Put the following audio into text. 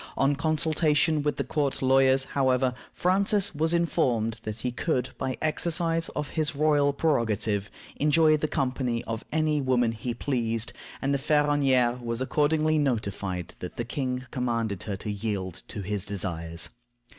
On consultation with the court lawyers, however, Francis was informed that he could, by the exercise of his royal prerogative, enjoy the company of any woman he pleased, and the Ferronnière was accordingly notified that the king commanded her to yield to his desires.